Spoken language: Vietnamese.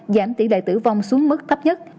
giảm tỷ lệ tử vong xuống mức thấp nhất